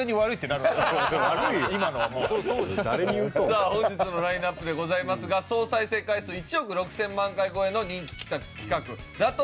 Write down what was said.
さあ本日のラインアップでございますが総再生回数１億６０００万回超えの人気企画打倒